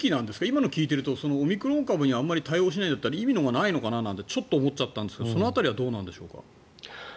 今のを聞いているとオミクロン株にあんまり対応しないんだったら意味がないのかななんてちょっと思っちゃったんですけどその辺りはどうなんでしょうか？